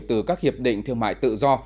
từ các hiệp định thương mại tự do